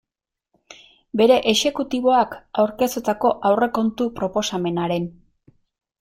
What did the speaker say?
Bere exekutiboak aurkeztutako aurrekontu proposamenaren.